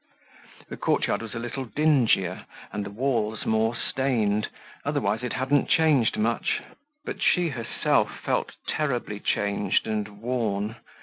The courtyard was a little dingier and the walls more stained, otherwise it hadn't changed much. But she herself felt terribly changed and worn.